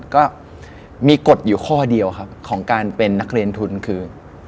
ก็มีกฎอยู่ข้อเดียวครับของการเป็นนักเรียนทุนคือ